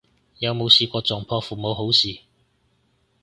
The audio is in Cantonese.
有冇試過撞破父母好事